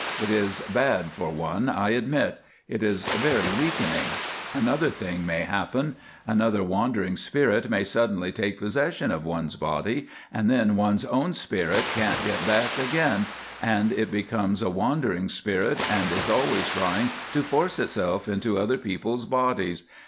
It is bad for one, I admit; it is very weakening. Another thing may happen; another wandering spirit may suddenly take possession of one's body, and then one's own spirit can't get back again, and it becomes a wandering spirit, and is always trying to force itself into other people's bodies.